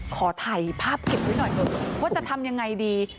ขอถ่ายภาพเก็บไว้หน่อยเถอะว่าจะทำยังไงดี